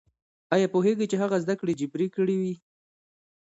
ايا پوهېږئ چې هغه زده کړې جبري کړې وې؟